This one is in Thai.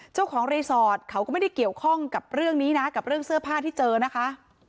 เจ้าของรีสอร์ทเขาก็ไม่ได้เกี่ยวข้องกับเรื่องนี้นะกับเรื่องเสื้อผ้าที่เจอนะคะ